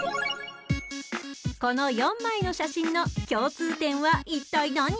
この４枚の写真の共通点は一体何？